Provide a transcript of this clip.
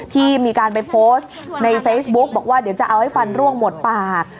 ที่มีการไปโพสต์ในเฟซบุ๊กบอกว่าเดี๋ยวจะเอาให้ฟันร่วงหมดปาก